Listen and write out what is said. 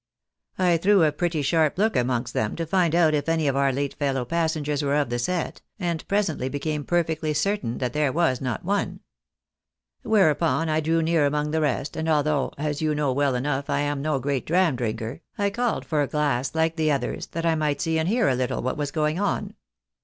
I threw a pretty sharp look amongst them to find out if any of our late fellow passengers were of the set, and presently became perfectly certain that there was not one. Whereupon I drew near among the rest, and although, as you know well enough I am no great dram drinker, I called for a glass like the others, that I might iSee and hear a Uttle what was going on.